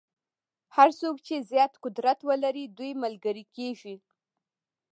هر څوک چې زیات قدرت ولري دوی ملګري کېږي.